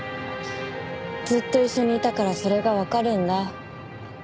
ずっと一緒にいたからそれがわかるんだ。